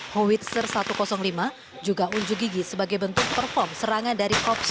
howitzer satu ratus lima juga unjuk gigi sebagai bentuk perform serangan dari cops